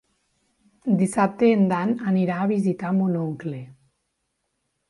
Dissabte en Dan anirà a visitar mon oncle.